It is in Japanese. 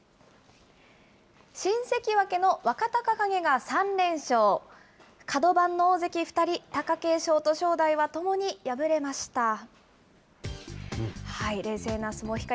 新関脇の若隆景が３連勝、角番の大関２人、貴景勝と正代はともに敗れました。